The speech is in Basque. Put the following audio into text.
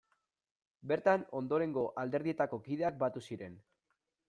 Bertan ondorengo alderdietako kideak batu ziren.